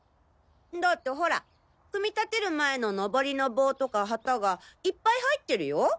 だってホラ組み立てる前のノボリの棒とか旗がいっぱい入ってるよ？